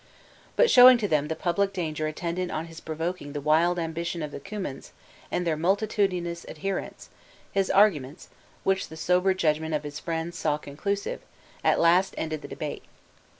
But showing to them the public danger attendant on his provoking the wild ambition of the Cummins, and their multitudinous adherents, his arguments, which the sober judgment of his friends saw conclusive, at last ended the debate.